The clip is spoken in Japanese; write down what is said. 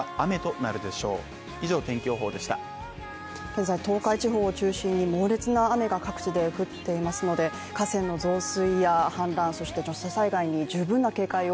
現在、東海地方を中心に猛烈な雨が各地で降っていますので河川の増水や氾濫、そして土砂災害に警戒を